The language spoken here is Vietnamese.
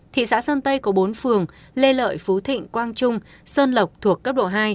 thị xã sơn tây có bốn phường lê lợi phú thịnh quang trung sơn lộc thuộc cấp độ hai